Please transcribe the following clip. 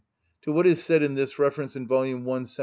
To what is said in this reference in vol. i.